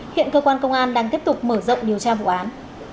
hiện cơ quan công an đang tiếp tục mở rộng điều tra vụ án